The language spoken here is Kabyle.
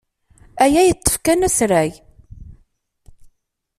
Aya yeṭṭef kan asrag.